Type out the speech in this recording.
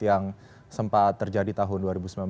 yang sempat terjadi tahun dua ribu sembilan dua ribu sepuluh